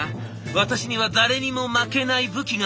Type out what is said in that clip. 私には誰にも負けない武器がある。